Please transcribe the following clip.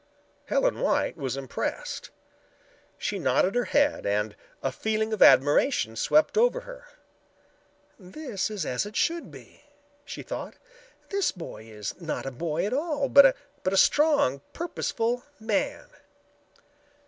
Helen White was impressed. She nodded her head and a feeling of admiration swept over her. "This is as it should be," she thought. "This boy is not a boy at all, but a strong, purposeful man."